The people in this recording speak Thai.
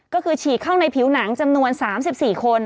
ก็คือฉีกเข้าในผิวหนังจำนวน๓๔คน